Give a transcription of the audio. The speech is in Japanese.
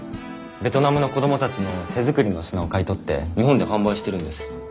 ベトナムの子どもたちの手作りの品を買い取って日本で販売してるんです。